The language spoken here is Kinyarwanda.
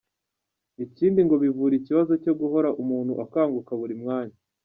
Ikindi ngo bivura ikibazo cyo guhora umuntu akanguka buri mwanya.